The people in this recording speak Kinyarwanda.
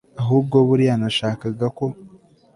ahubwo buriya nashakaga ko